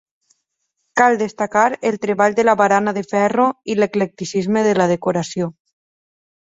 Cal destacar el treball de la barana de ferro i l'eclecticisme de la decoració.